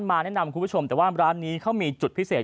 มาแนะนำคุณผู้ชมแต่ว่าร้านนี้เขามีจุดพิเศษ